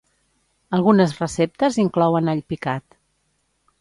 Algunes receptes inclouen all picat.